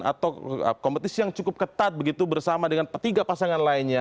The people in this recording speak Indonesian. atau kompetisi yang cukup ketat begitu bersama dengan ketiga pasangan lainnya